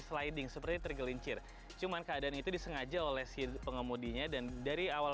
sliding seperti tergelincir cuman keadaan itu disengaja oleh si pengemudinya dan dari awal